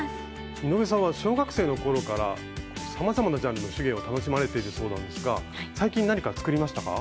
井上さんは小学生の頃からさまざまなジャンルの手芸を楽しまれているそうなんですが最近何か作りましたか？